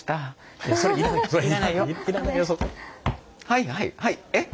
はいはいはいえっ？